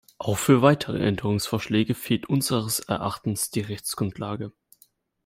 Auch für weitere Änderungsvorschläge fehlt unseres Erachtens die Rechtsgrundlage.